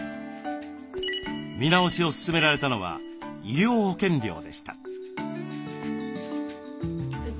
見直しを勧められたのは医療保険料でした。